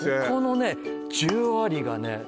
ここのね十割がね